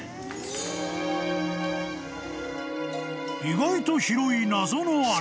［意外と広い謎の穴］